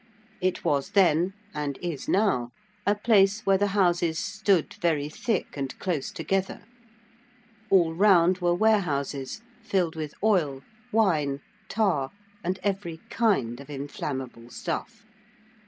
It was then, and is now, a place where the houses stood very thick and close together: all round were warehouses filled with oil, wine, tar, and every kind of inflammable stuff.